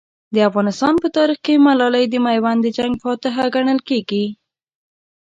د افغانستان په تاریخ کې ملالۍ د میوند د جنګ فاتحه ګڼل کېږي.